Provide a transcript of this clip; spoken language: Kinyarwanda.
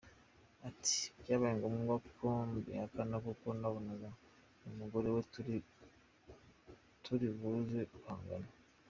Ati: “Byabaye ngombwa ko mbihakana kuko nabonaga uyu mugore we turi buze guhangana”.